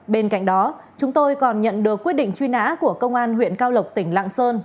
bên cạnh đó chúng tôi còn nhận được quyết định truy nã của công an huyện cao lộc tỉnh lạng sơn